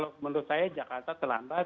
kalau menurut saya jakarta telah melakukan